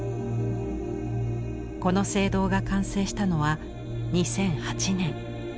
この聖堂が完成したのは２００８年。